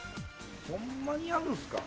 ホンマにやるんすか？